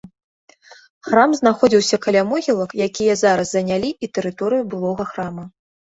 Храм знаходзіўся каля могілак, якія зараз занялі і тэрыторыю былога храма.